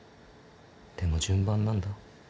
でも順番なんだ。